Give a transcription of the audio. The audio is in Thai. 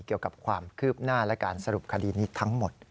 เกี่ยวกับความคืบหน้าและการสรุปคดีนี้ทั้งหมด